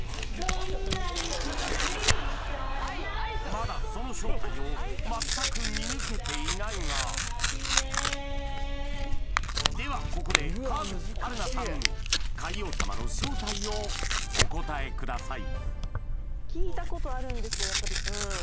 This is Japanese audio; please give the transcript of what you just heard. まだその正体を全く見抜けていないがではここで川口春奈さん界王様の正体をお答えください